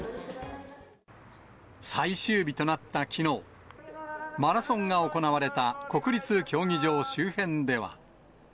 最終日となったきのう、マラソンが行われた国立競技場周辺では。